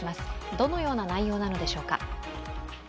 どのような内容なのでしょうか。